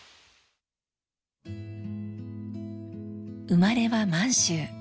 生まれは満州。